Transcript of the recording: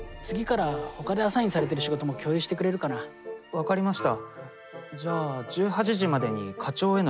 分かりました。